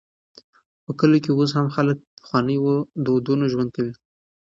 په کلیو کې اوس هم خلک په پخوانيو دودونو ژوند کوي.